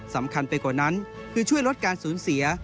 สำคัญไปกว่านั้นคือช่วยลดการสูญเสีย